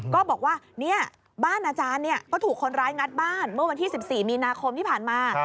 ก็บอกว่าบ้านอาจารย์ก็ถูกคนร้ายงัดบ้านเมื่อวันที่๑๔มีนาคมที่ผ่านมา